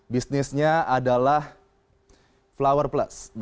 bisnisnya adalah flower plus